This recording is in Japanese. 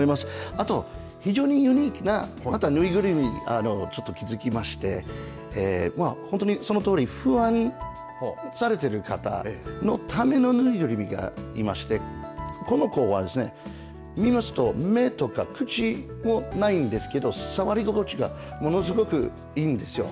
あと非常にユニークな縫いぐるみちょっと気付きまして本当にそのとおり不安にされている方のための縫いぐるみがいましてこの子はですね、見ますと目とか口もないんですけれど触り心地がものすごくいいですよ